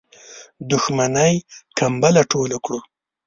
دښمنی کمبله ټوله کړو.